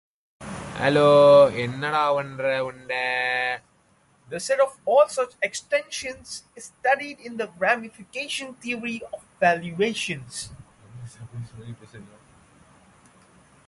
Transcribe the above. The set of all such extensions is studied in the ramification theory of valuations.